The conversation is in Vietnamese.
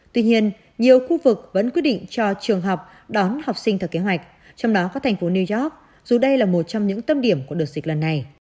tuy nhiên nhiều khu vực vẫn quyết định cho trường học đón học sinh theo kế hoạch trong đó có thành phố new york dù đây là một trong những tâm điểm của đợt dịch lần này